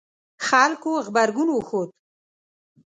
خلکو غبرګون وښود